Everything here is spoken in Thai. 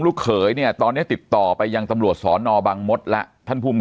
เขยเนี่ยตอนนี้ติดต่อไปยังตำรวจสอนอบังมดแล้วท่านภูมิ